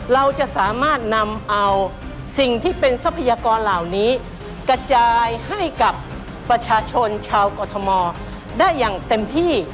เราจะสามารถนำเอาสิ่งที่เป็นทรัพยากรเหล่านี้กระจายให้กับประชาชนชาวกรทมได้อย่างเต็มที่